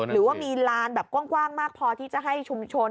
หรือว่ามีลานแบบกว้างมากพอที่จะให้ชุมชน